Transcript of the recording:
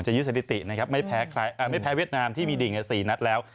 ยึดสถิตินะครับไม่แพ้เวียดนามที่มีดิ่ง๔นัดแล้ว